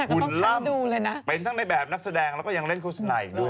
หุ่นล่ำเป็นทั้งในแบบนักแสดงแล้วก็ยังเล่นคุณสนัยด้วย